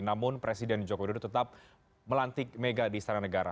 namun presiden joko widodo tetap melantik mega di istana negara